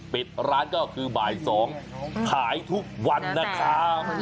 ปิดร้านก็คือบ่าย๒ขายทุกวันนะครับ